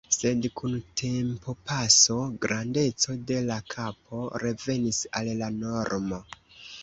Sed kun tempopaso grandeco de la kapo revenis al la normo.